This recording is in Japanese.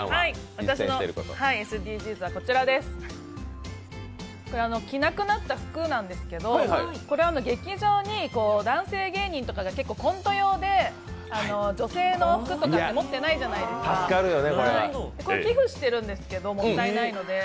私のＳＤＧｓは、着なくなった服なんですけど、劇場に男性芸人とかがコント用で女性の服とか持ってないじゃないですか寄付してるんですけどもったいないので。